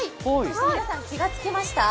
皆さん、気がつきました？